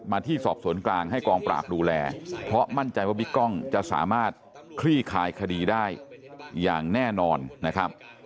ที่สอบสวนกลางให้กองปราบดูแลเพราะมั่นใจว่าบิ๊กกล้องจะสามารถคลี่คลายคดีได้อย่างแน่นอนนะครับ